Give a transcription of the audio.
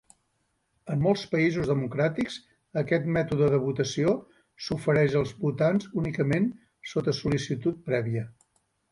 En molts països democràtics, aquest mètode de votació s'ofereix als votants únicament sota sol·licitud prèvia.